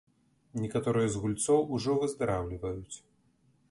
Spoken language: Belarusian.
Некаторыя з гульцоў ужо выздараўліваюць.